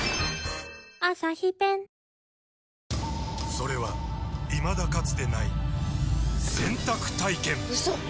それはいまだかつてない洗濯体験‼うそっ！